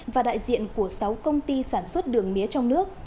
và đại diện của sáu công ty sản xuất đường mía trong nước